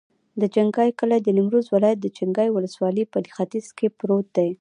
د چنګای کلی د نیمروز ولایت، چنګای ولسوالي په ختیځ کې پروت دی.